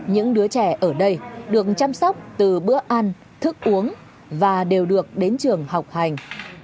những đứa trẻ ở đây được chăm sóc từ bữa ăn thức uống và đều được đến trường học hành